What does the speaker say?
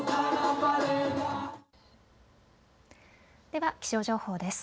では気象情報です。